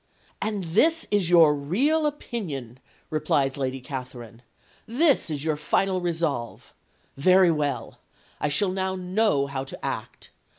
"'And this is your real opinion!' replies Lady Catherine. 'This is your final resolve! Very well. I shall now know how to act.